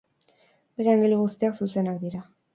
Bere angelu guztiak zuzenak dira.